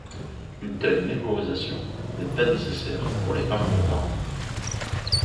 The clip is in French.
Une telle mémorisation n’est pas nécessaire pour les parcours d'arbres.